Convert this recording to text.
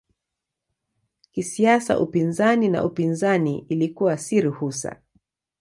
Kisiasa upinzani na upinzani ilikuwa si ruhusa.